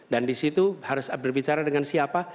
dan di situ harus berbicara dengan siapa